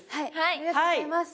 ありがとうございます。